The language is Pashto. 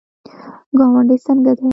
ګاونډی څنګه دی؟